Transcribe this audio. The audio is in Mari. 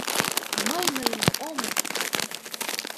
— Мый ноен ом ул!